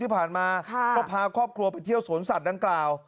ที่ผ่านมาก็พาครอบครัวไปเที่ยวสวนสัตว์ดังกล่าว